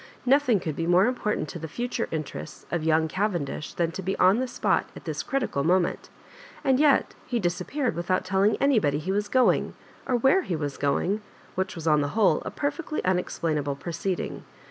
Nothing could be more important to the future interests of young Cavendish than to be on the spot at this critical moment, and yet he disappeared without telling anybody he was going, or where he was going, which was on the whole a perfectly unexplainable proceeding.